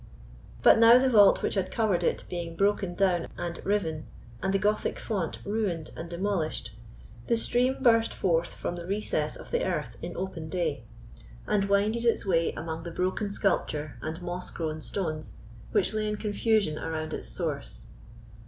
But now the vault which had covered it being broken down and riven, and the Gothic font ruined and demolished, the stream burst forth from the recess of the earth in open day, and winded its way among the broken sculpture and moss grown stones which lay in confusion around its source.